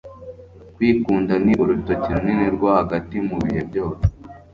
kwikunda ni urutoki runini rwo hagati mu bihe byose